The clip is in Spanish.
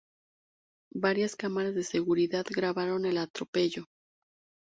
Varias cámaras de seguridad grabaron el atropello.